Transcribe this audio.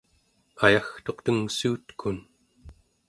ayagtuq tengssuutekun